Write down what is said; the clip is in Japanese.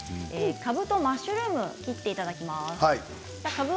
かぶとマッシュルームを切っていただきます。